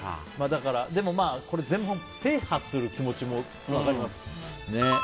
でも、全部制覇する気持ちも分かります。